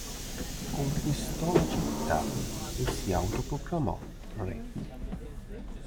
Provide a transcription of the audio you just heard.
Conquistò la città e si autoproclamò re.